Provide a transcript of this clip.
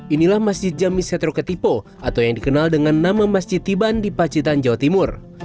inilah masjid jami setru ketipo atau yang dikenal dengan nama masjid tiban di pacitan jawa timur